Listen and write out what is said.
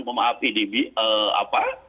pemaaf pdb apa